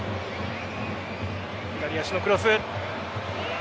左足のクロス。